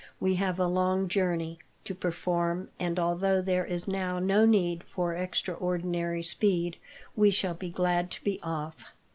"We have a long journey to perform, and, although there is now no need for extraordinary speed, we shall be glad to be off."